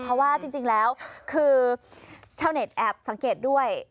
เพราะว่าจริงแล้วคือชาวเน็ตแอบสังเกตด้วย